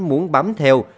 muốn bám theo